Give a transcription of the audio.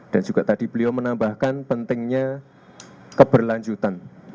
dan juga tadi beliau menambahkan pentingnya keberlanjutan